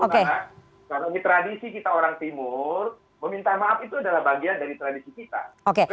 karena di tradisi kita orang timur meminta maaf itu adalah bagian dari tradisi kita